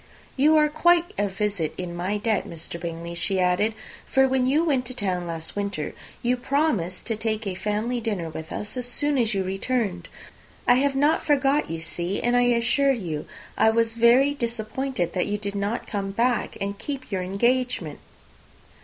"You are quite a visit in my debt, Mr. Bingley," she added; "for when you went to town last winter, you promised to take a family dinner with us as soon as you returned. I have not forgot, you see; and I assure you I was very much disappointed that you did not come back and keep your engagement."